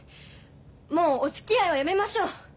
もうおつきあいはやめましょう！